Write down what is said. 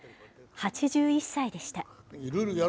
８１歳でした。